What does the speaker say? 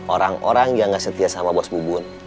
orang orang yang gak setia sama bos bu bun